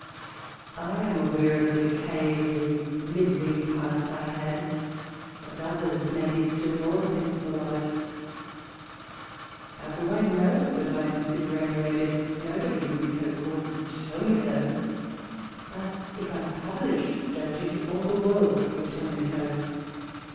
I am aware of the decay of the middling parts I had, and others may be still more sensible of it. How do I know but I am superannuated 1 nobody will be so coarse as to tell me so ; but if I published dotage, all the world would tell me so.